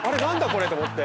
これと思って。